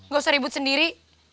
gak usah ribut sendiri